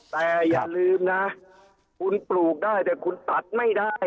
แต่อย่าลืมนะคุณปลูกได้แต่คุณตัดไม่ได้